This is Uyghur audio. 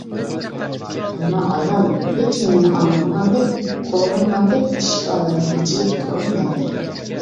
ئەمما ئايال ھېچنېمىنى ئاڭلىمىغاندەك، قورۇنغاندەك ئىشىك ئالدىدا ھىجىيىپ تۇرۇۋەردى.